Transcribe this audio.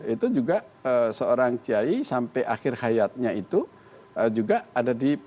itu juga seorang kiai sampai akhir hayatnya itu juga ada di p tiga